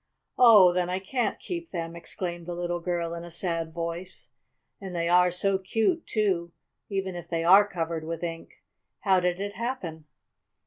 "Oh, then I can't keep them!" exclaimed the little girl in a sad voice. "And they are so cute, too, even if they are covered with ink! How did it happen?"